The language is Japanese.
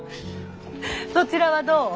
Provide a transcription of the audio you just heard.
そちらはどう？